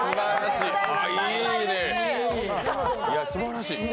すばらしい。